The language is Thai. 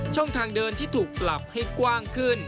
ทางเดินที่ถูกปรับให้กว้างขึ้น